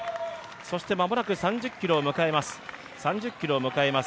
そして間もなく３０ｋｍを迎えます。